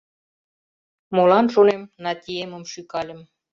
Молан, шонем, Натиемым шӱкальым?